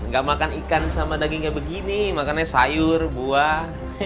gak makan ikan sama dagingnya begini makannya sayur buah